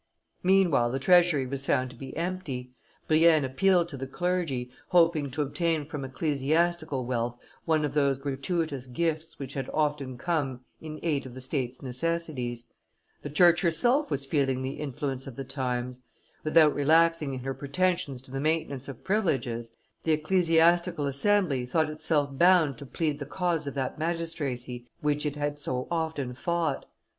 Meanwhile the treasury was found to be empty; Brienne appealed to the clergy, hoping to obtain from ecclesiastical wealth one of those gratuitous gifts which had often come in aid of the State's necessities. The Church herself was feeling the influence of the times. Without relaxing in her pretensions to the maintenance of privileges, the ecclesiastical assembly thought itself bound to plead the cause of that magistracy which it had so, often fought.